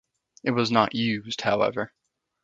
It was not used, however.